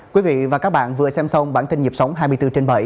quý vị và các bạn vừa xem xong bản tin nhịp sống hai mươi bốn trên bảy